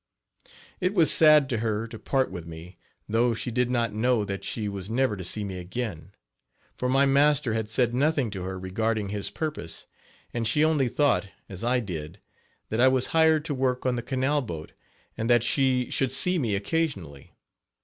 It was sad to her to part with me, though she did not know that she was never to see me again, for my master had said nothing to her regarding his purpose and she only thought, as I did, that I was hired to work on the canal boat, and that she should see me occasionally.